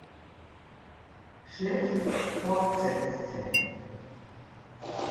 Schlecht fortsetzte.